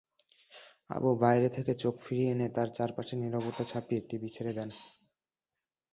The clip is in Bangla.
আবু বাইরে থেকে চোখ ফিরিয়ে এনে তাঁর চারপাশের নীরবতা ছাপিয়ে টিভি ছেড়ে দেন।